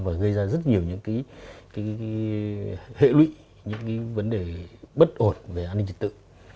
và gây ra rất nhiều những hệ lụy những vấn đề bất ổn về an ninh trật tự